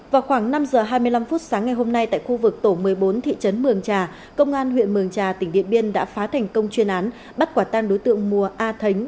vào khoảng năm giờ hai mươi năm phút sáng ngày hôm nay tại khu vực tổ một mươi bốn thị trấn mường trà công an huyện mường trà tỉnh điện biên đã phá thành công chuyên án bắt quả tang đối tượng mùa a thấm